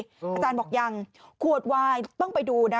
อาจารย์บอกยังขวดวายต้องไปดูนะ